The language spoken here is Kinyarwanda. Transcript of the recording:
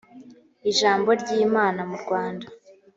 ijambo ry imana mu rwanda